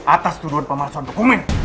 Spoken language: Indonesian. atas tuduhan pemalsuan hukumin